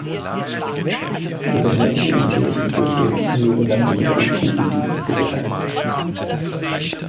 Ihre Motilität wird durch so genannte Mikrotubuli gewährleistet.